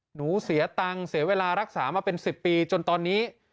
หนูเสียตังค์เสียเวลารักษามาเป็น๑๐ปีจนตอนนี้